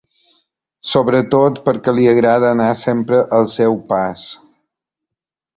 Sobretot perquè li agrada anar sempre al seu pas.